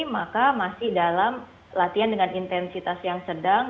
maka masih dalam latihan dengan intensitas yang sedang